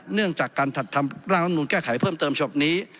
เนื่องจากการร่างรับนูลแก้ไขเพิ่มเติมฉบับนี้